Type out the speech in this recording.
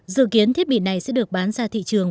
dự kiến thiết bị này sẽ được bán ra thị trường